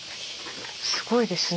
すごいですね。